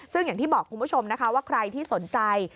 ซึ่งอย่างที่บอกคุณผู้ชมนะคะว่าใครที่สนใจ